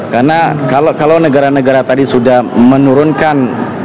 karena kalau negara negara tadi sudah menurunkan